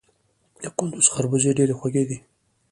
د کندز خربوزې ډیرې خوږې دي